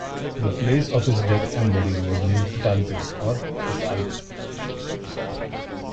The place of his death and burial was named Pitalpin or Pas-alpin.